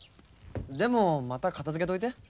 でもまた片づけといて。